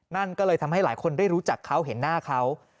นั่นก็เลยทำให้หลายคนได้รู้จักเขาเห็นหน้าเขา